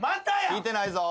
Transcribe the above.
聞いてないぞ。